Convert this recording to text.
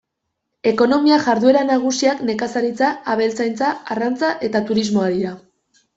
Ekonomia-jarduera nagusiak nekazaritza, abeltzaintza, arrantza eta turismoa dira.